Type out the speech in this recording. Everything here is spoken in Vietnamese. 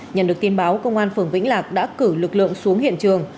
nhận được tin báo công an phường vĩnh lạc đã cử lực lượng xuống hiện trường